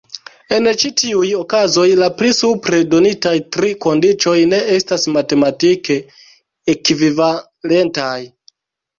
En ĉi tiuj okazoj, la pli supre donitaj tri kondiĉoj ne estas matematike ekvivalentaj.